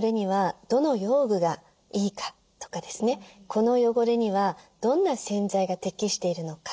この汚れにはどんな洗剤が適しているのか。